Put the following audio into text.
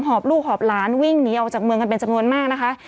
หอบลูกหอบหลานวิ่งหนีออกจากเมืองกันเป็นจำนวนมากนะคะ